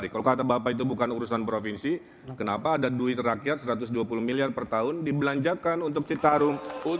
kalau kata bapak itu bukan urusan provinsi kenapa ada duit rakyat satu ratus dua puluh miliar per tahun dibelanjakan untuk citarum